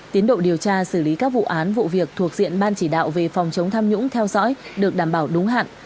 tiến độ điều tra xử lý các vụ án vụ việc thuộc diện ban chỉ đạo về phòng chống tham nhũng theo dõi được đảm bảo đúng hạn